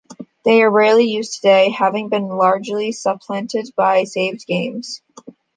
They are rarely used today, having been largely supplanted by saved games.